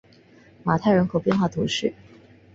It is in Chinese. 马泰人口变化图示